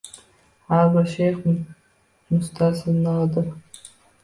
Har bir Shaxs mustasnodir